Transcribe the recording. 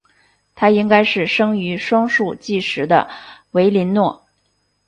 她应该是生于双树纪时的维林诺。